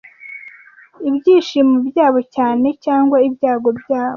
ibyishimo byabo cyane cyangwa ibyago byabo